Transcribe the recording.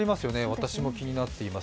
私も気になっています。